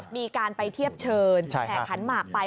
มีการไปเทียบเชิญแห่ขันหมากไป